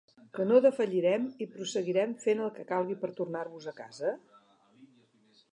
Que no defallirem i prosseguirem fent el que calgui per tornar-vos a casa?